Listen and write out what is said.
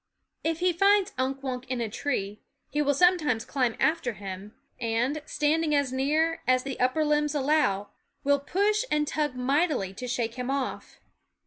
rr ,~.*', r. , TT ,,,.,. i/nkWunk 11 he rind Unk Wunk in a tree, he will sometimes climb after him and, standing as near as the upper limbs allow, will push and tug mightily to shake him off.